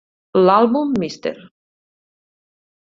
L'àlbum Mr.